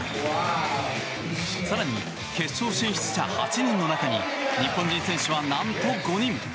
更に決勝進出者８人の中に日本人選手はなんと、５人。